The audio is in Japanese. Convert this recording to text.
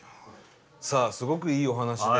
さあすごくいいお話で。